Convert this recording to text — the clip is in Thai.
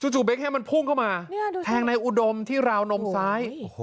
เบ๊กมันพุ่งเข้ามาแทงในอุดมที่ราวนมซ้าย